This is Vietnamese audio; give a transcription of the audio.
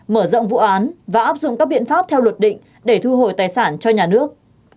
mở rộng vụ án và áp dụng các biện pháp theo luật định để thu hồi tài sản cho nhà nước